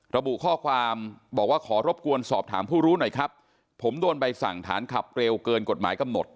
ระบุข้อความบอกว่าขอรบกวนสอบถามผู้รู้หน่อยครับผมโดนใบสั่งฐานขับเร็วเกินกฎหมายกำหนด